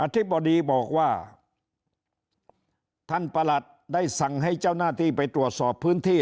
ธิบดีบอกว่าท่านประหลัดได้สั่งให้เจ้าหน้าที่ไปตรวจสอบพื้นที่